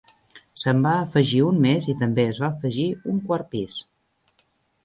Se'n va afegir un més i també es va afegir un quart pis.